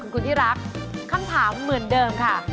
คุณที่รักคำถามเหมือนเดิมค่ะ